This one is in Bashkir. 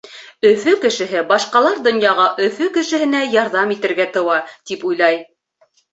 Өфө кешеһе башҡалар донъяға Өфө кешеһенә ярҙам итергә тыуа, тип уйлай.